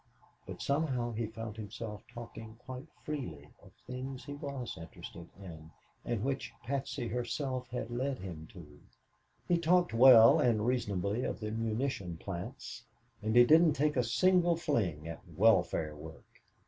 But somehow he found himself talking quite freely of things he was interested in and which Patsy herself had led him to. He talked well and reasonably of the munition plants, and he didn't take a single fling at "welfare work."